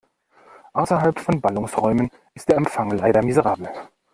Außerhalb von Ballungsräumen ist der Empfang leider miserabel.